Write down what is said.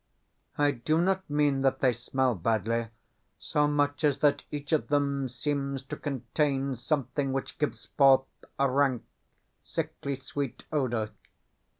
I do not mean that they smell badly so much as that each of them seems to contain something which gives forth a rank, sickly sweet odour.